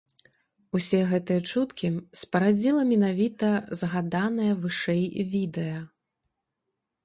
Усе гэтыя чуткі спарадзіла менавіта згаданае вышэй відэа.